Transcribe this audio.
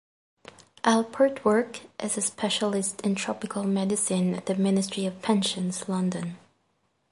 Alport worked as a specialist in tropical medicine at the Ministry of Pensions, London.